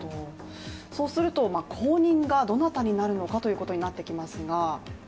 そうすると後任がどなたになるのかということになってきますが。